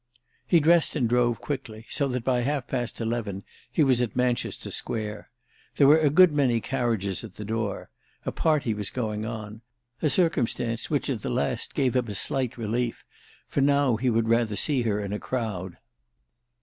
He dressed and drove quickly, so that by half past eleven he was at Manchester Square. There were a good many carriages at the door—a party was going on; a circumstance which at the last gave him a slight relief, for now he would rather see her in a crowd.